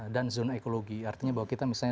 dan zona ekologi artinya bahwa kita misalnya